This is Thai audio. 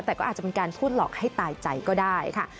แต่ก็อาจจะเป็นการพูดหลอกให้ตายใจก็ได้ค่ะ